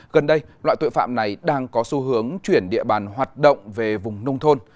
gần đây loại tội phạm này đang có xu hướng chuyển địa bàn hoạt động về vùng nông thôn